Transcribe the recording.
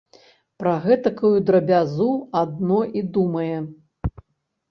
Пра гэтакую драбязу адно і думае.